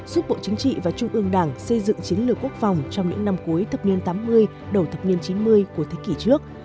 giúp bộ chính trị và trung ương đảng xây dựng chiến lược quốc phòng trong những năm cuối thập niên tám mươi đầu thập niên chín mươi của thế kỷ trước